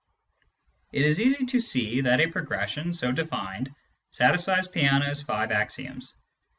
It is easy to see that a progression, so defined, satisfies Peano's five axioms.